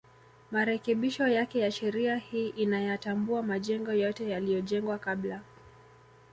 Marekebisho yake ya sheria hii inayatambua majengo yote yaliyojengwa kabla